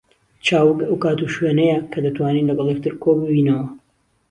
چاوگ ئەو کات و شوێنەیە کە دەتوانین لەگەڵ یەکتر کۆ ببینەوە